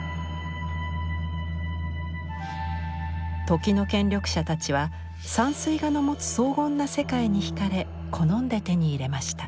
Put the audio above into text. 時の権力者たちは山水画の持つ荘厳な世界にひかれ好んで手に入れました。